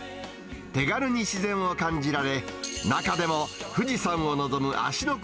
手軽に自然を感じられ、中でも富士山を望む芦ノ